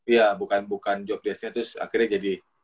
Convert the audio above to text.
iya bukan jobdesknya terus akhirnya jadi